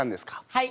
はい！